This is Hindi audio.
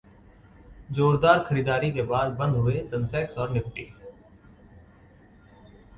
जोरदार खरीदारी के बाद बंद हुए सेंसेक्स और निफ्टी